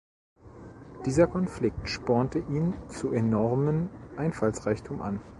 Dieser Konflikt spornte ihn zu enormen Einfallsreichtum an.